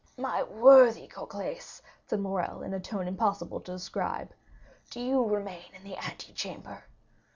"My worthy Cocles," said Morrel in a tone impossible to describe, "do you remain in the antechamber.